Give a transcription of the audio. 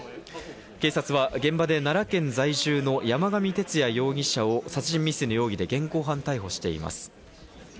警察は現場で奈良県在住の山上徹也容疑者を殺人未遂の容疑で現行犯逮捕しています。